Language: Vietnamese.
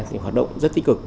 thì hoạt động rất tích cực